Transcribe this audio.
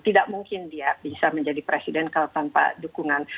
tidak mungkin dia bisa menjadi presiden kalau tanpa dukungan